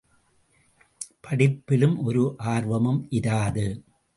படிப்பிலும் ஒரு ஆர்வமும் இராது.